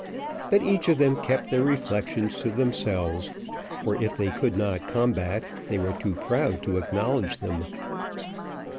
But each of them kept their reflections to themselves, for, if they could not combat, they were too proud to acknowledge them.